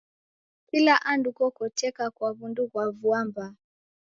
Kula andu kokoteka kwa w'undu ghwa vua mbaa.